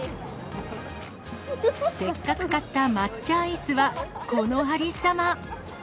せっかく買った抹茶アイスは、このありさま。